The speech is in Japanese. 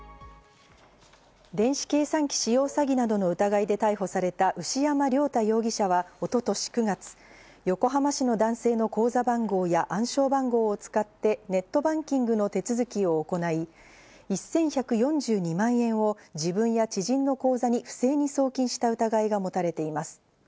電子計算機使用詐欺などの疑いで逮捕された牛山亮太容疑者は一昨年９月、横浜市の男性の口座番号や暗証番号を使ってネットバンキングの手続きを行い、１１４２万円を自分や知人の口座に不正に送金した疑いが持たれています。